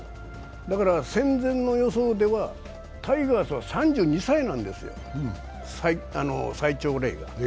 戦前の予想では、タイガースが３２歳なんですよ、最長年。